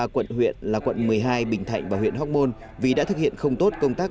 ba quận huyện là quận một mươi hai bình thạnh và huyện hóc môn vì đã thực hiện không tốt công tác